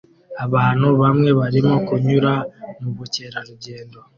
Abantu bamwe barimo kunyura mubukerarugendo